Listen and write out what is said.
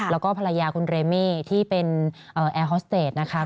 แล้วก็ภรรยาคุณเรเม่ที่เป็นแอร์ฮอสเตจนะคะ